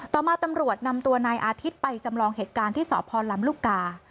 ต่อมาตำรวจนำตัวนายอาทิตย์ไปจำลองเหตุการณ์ที่สพลำลูกกา